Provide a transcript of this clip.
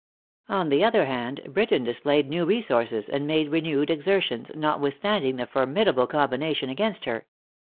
On the other hand, Britain displayed new resources, and made renewed exertions, notwithstanding the formidable combination against her.